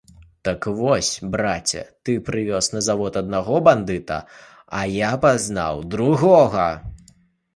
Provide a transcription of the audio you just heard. Так вось, браце, ты прывёз на завод аднаго бандыта, а я пазнаў другога.